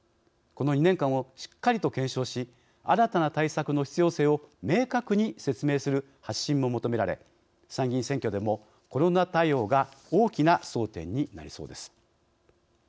この２年間をしっかりと検証し新たな対策の必要性を明確に説明する発信も求められ参議院選挙でもコロナ対応が大きな争点になりそうです。